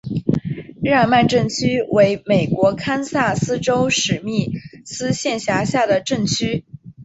日耳曼镇区为美国堪萨斯州史密斯县辖下的镇区。